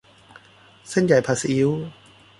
เส้นใหญ่ผัดซีอิ๊ว